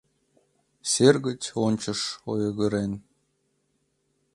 Сер гыч ончыш ойгырен